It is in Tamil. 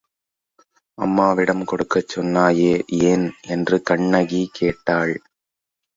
அம்மாவிடம் கொடுக்கச் சொன்னாயே, ஏன்? என்று கண்ணகி கேட்டாள்.